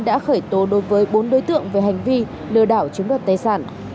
đã khởi tố đối với bốn đối tượng về hành vi lừa đảo chiếm đoạt tài sản